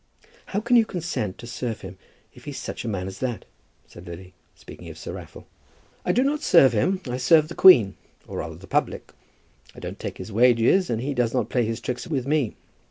"How can you consent to serve him if he's such a man as that?" said Lily, speaking of Sir Raffle. "I do not serve him. I serve the Queen, or rather the public. I don't take his wages, and he does not play his tricks with me.